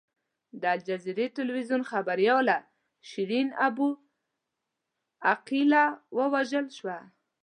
د الجزیرې ټلویزیون خبریاله شیرین ابو عقیله ووژل شوه.